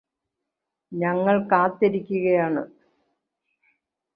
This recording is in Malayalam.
ഞങ്ങൾ കാത്തിരിക്കുകയാണ്